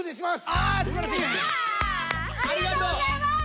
ありがとうございます！